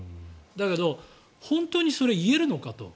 だけど本当にそれが言えるのかと。